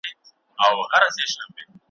یوه بل ته به زړه ورکړي بې وسواسه `